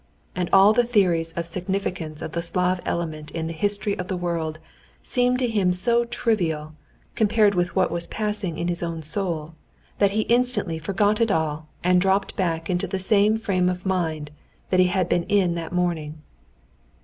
And all the theories of the significance of the Slav element in the history of the world seemed to him so trivial compared with what was passing in his own soul, that he instantly forgot it all and dropped back into the same frame of mind that he had been in that morning.